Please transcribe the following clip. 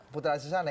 putra asli sana